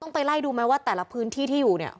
ไปไล่ดูไหมว่าแต่ละพื้นที่ที่อยู่เนี่ย